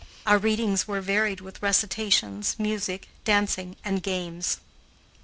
Our readings were varied with recitations, music, dancing, and games.